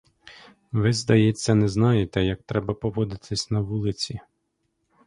Ви, здається, не знаєте, як треба поводитись на вулиці?